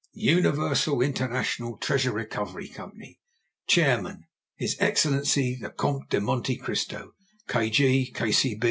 UNIVERSAL INTERNATIONAL TREASURE RECOVERY COMPANY. Chairman. His Excellency the COMTE DE MONTE CRISTO.